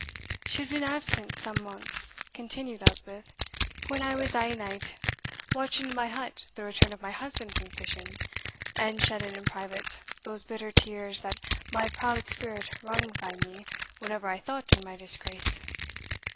"She had been absent some months," continued Elspeth, "when I was ae night watching in my hut the return of my husband from fishing, and shedding in private those bitter tears that my proud spirit wrung frae me whenever I thought on my disgrace.